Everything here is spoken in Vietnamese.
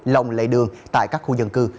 lòng lệ đường tại các khu dân cư